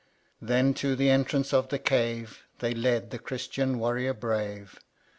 Then to the entrance of the Cave They led the Cliristian warrior brave ; 444 ST.